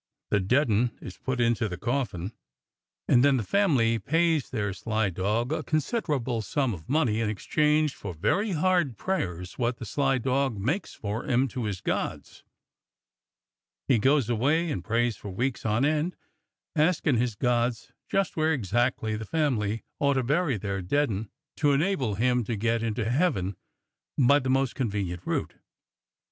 The dead 'un is put into the coffin, and then the family pays their sly dog a considerable sum o' money in exchange for very hard prayers wot the sly dog makes for 'em to his gods. He goes away and prays for weeks on end, askin' his gods just where exactly the family ought to bury their dead 'un to enable him to get into heaven by the most con venient route.